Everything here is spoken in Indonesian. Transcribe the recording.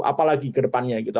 apalagi kedepannya gitu